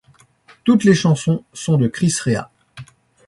Toutes les chansons sont de Chris Rea.